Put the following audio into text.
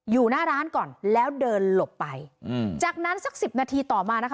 อยู่หน้าร้านก่อนแล้วเดินหลบไปอืมจากนั้นสักสิบนาทีต่อมานะคะ